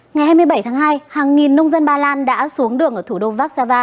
ngày hai mươi bảy tháng hai hàng nghìn nông dân ba lan đã xuống đường ở thủ đô vác xa va